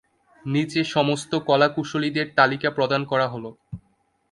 নিচে সমস্ত কলাকুশলীদের তালিকা প্রদান করা হলো।